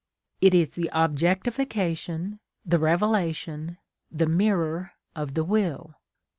It is the objectification, the revelation, the mirror of the will.